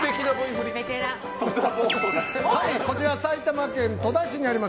こちら埼玉県戸田市にあります